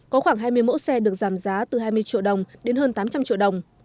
có khoảng hai mươi mẫu xe được giảm giá từ hai mươi triệu đồng đến hơn tám trăm linh triệu đồng